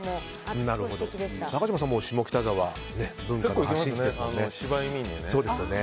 高嶋さんも下北沢文化の発信地ですよね。